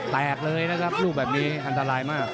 แตกเลยนะครับลูกแบบนี้อันตรายมาก